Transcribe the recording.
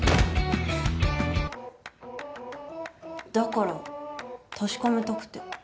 だから確かめたくて。